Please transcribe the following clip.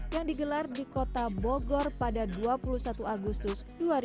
yang digelar di kota bogor pada dua puluh satu agustus dua ribu dua puluh